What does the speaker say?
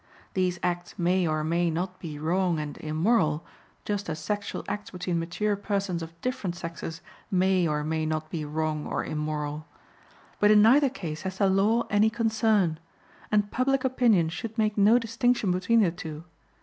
These acts may or may not be wrong and immoral, just as sexual acts between mature persons of different sexes may or may not be wrong or immoral. But in neither case has the law any concern; and public opinion should make no distinction between the two.